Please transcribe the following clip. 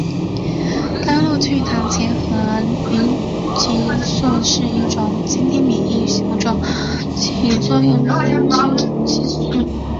甘露聚糖结合凝集素是一种在先天免疫系统中起作用的凝集素。